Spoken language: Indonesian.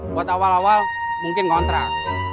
buat awal awal mungkin ngontrak